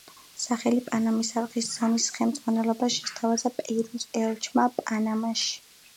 სახელი პანამის არხის ზონის ხელმძღვანელობას შესთავაზე პერუს ელჩმა პანამაში.